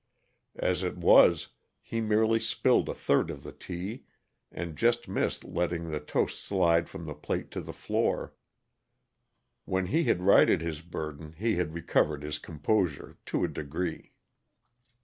As it was, he merely spilled a third of the tea and just missed letting the toast slide from the plate to the floor; when he had righted his burden he had recovered his composure to a degree.